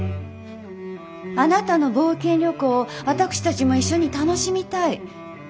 あなたの冒険旅行を私たちも一緒に楽しみたい。